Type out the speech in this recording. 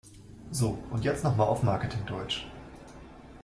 So, und jetzt noch mal auf Marketing-Deutsch!